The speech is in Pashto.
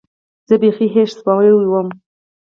زه بيخي هېښ سوى وم.